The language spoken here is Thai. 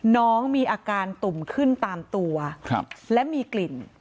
น้องมีอาการตุ่มขึ้นตามตัวและมีกลิ่น